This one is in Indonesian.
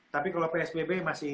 tapi kalau psbb masih